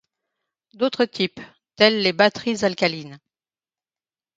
D'autres types, tels les batteries alcalines.